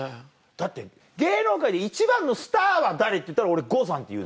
だって芸能界で一番のスターは誰？っていったら俺郷さんって言う。